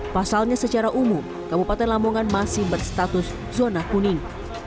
pasalnya secara umum kabupaten lamongan masih berstatus zona kuning